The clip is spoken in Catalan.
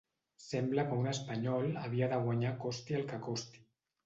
Sembla que un espanyol havia de guanyar costi el que costi.